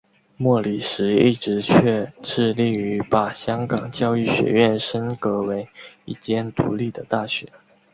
莫礼时一直却致力于把香港教育学院升格为一间独立的大学。